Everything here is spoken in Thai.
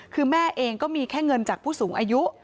คือแม่เองก็มีแค่เงินจากผู้สูงอายุ